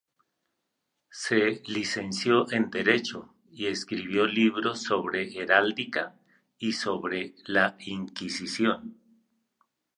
Se licenció en derecho y escribió libros sobre heráldica y sobre la inquisición.